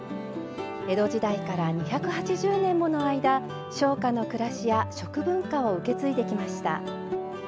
江戸時代から２８０年もの間商家の暮らしや食文化を受け継いできました。